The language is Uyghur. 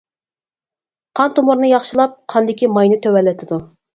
قان تومۇرنى ياخشىلاپ، قاندىكى ماينى تۆۋەنلىتىدۇ.